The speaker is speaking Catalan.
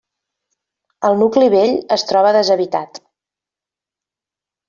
El nucli vell es troba deshabitat.